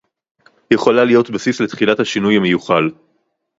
יכולה להיות בסיס לתחילת השינוי המיוחל